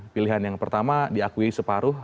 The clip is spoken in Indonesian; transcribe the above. pilihan yang pertama diakui separuh